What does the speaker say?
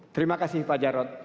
terima kasih pak jarod